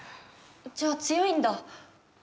じゃあ強いんだ。